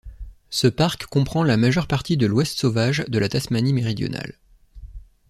Ce parc comprend la majeure partie de l'ouest sauvage de la Tasmanie méridionale.